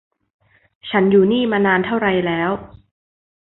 ฉันอยู่นี่มานานเท่าไรแล้ว